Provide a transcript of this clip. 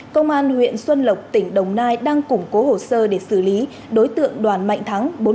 công an huyện xuân lộc tỉnh đồng nai đang củng cố hồ sơ để xử lý đối tượng đoàn mạnh thắng